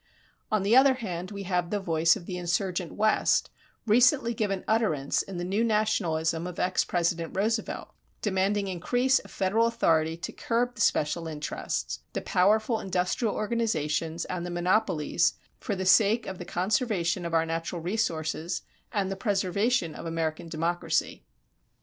On the other hand, we have the voice of the insurgent West, recently given utterance in the New Nationalism of ex President Roosevelt, demanding increase of federal authority to curb the special interests, the powerful industrial organizations, and the monopolies, for the sake of the conservation of our natural resources and the preservation of American democracy.